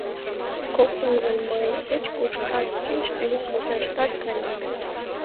— Коктынжо мый кеч-кушкат, кеч тӱня мучашкат каем...